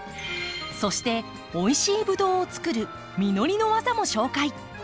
そしておいしいブドウをつくる実りのわざも紹介。